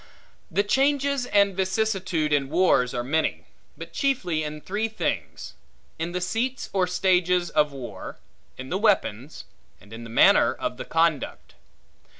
The changes and vicissitude in wars are many; but chiefly in three things; in the seats or stages of the war; in the weapons; and in the manner of the conduct.